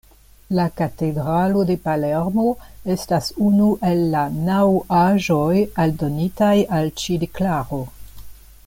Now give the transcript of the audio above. La katedralo de Palermo estas unu el la naŭ aĵoj aldonitaj al ĉi deklaro.